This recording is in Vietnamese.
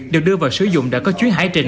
được đưa vào sử dụng đã có chuyến hải trình